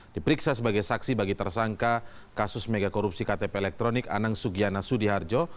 diperiksa sebagai saksi bagi tersangka kasus megakorupsi ktp elektronik anang sugiana sudiharjo